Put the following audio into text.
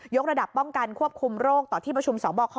กระดับป้องกันควบคุมโรคต่อที่ประชุมสบค